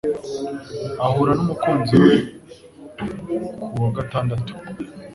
Ahura numukunzi we kuwa gatandatu.